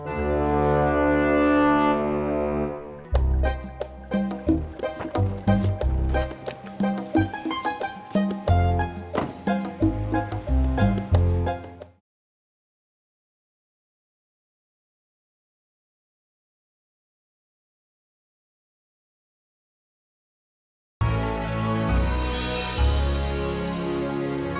gua harus ngawet keregiatan